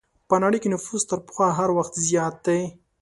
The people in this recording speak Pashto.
په نړۍ کې نفوس تر پخوا هر وخت زیات دی.